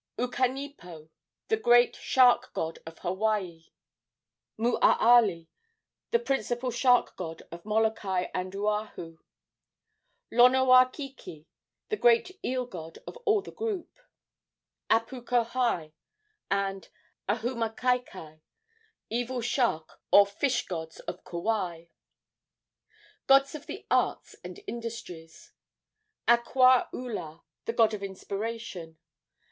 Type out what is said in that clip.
Ukanipo, the great shark god of Hawaii. Moaalii, the principal shark god of Molokai and Oahu. Lonoakiki, the great eel god of all the group. Apukohai and Uhumakaikai, evil shark or fish gods of Kauai. Gods of the Arts and Industries. Akua ula, the god of inspiration.